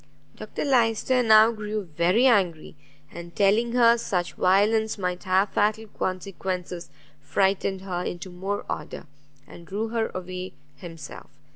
Dr Lyster now grew very angry, and telling her such violence might have fatal consequences, frightened her into more order, and drew her away himself.